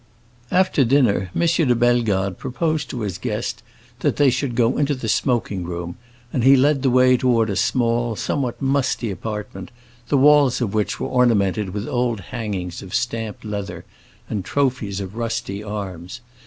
After dinner M. de Bellegarde proposed to his guest that they should go into the smoking room, and he led the way toward a small, somewhat musty apartment, the walls of which were ornamented with old hangings of stamped leather and trophies of rusty arms.